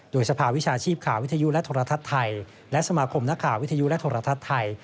โดยสภาวิชาชีพข่าววิทยุและโทรทัศน์ไทยและสมาคมนักข่าววิทยุและโทรทัศน์ไทย